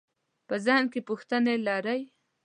په ذهن کې پوښتنې لرئ؟